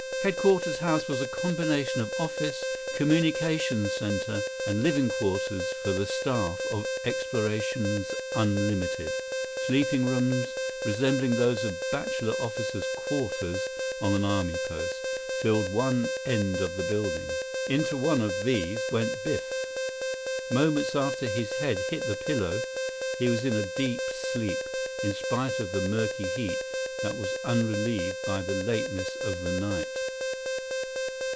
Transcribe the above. Headquarters House was a combination office, communications center, and living quarters for the staff of Explorations Unlimited. Sleeping rooms, resembling those of Bachelor Officers' Quarters on an army post, filled one ell of the building. Into one of these went Biff. Moments after his head hit the pillow, he was in a deep sleep, in spite of the murky heat that was unrelieved by the lateness of the night.